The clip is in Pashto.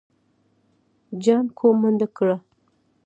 جانکو منډه کړه.